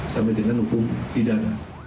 sampai dengan hukum di dada